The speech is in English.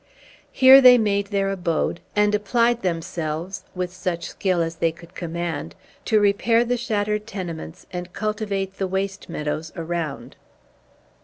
Here they made their abode, and applied themselves, with such skill as they could command, to repair the shattered tenements and cultivate the waste meadows around.